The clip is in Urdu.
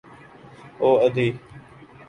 اوادھی